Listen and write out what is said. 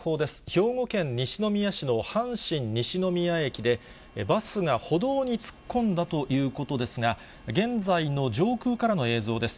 兵庫県西宮市の阪神西宮駅で、バスが歩道に突っ込んだということですが、現在の上空からの映像です。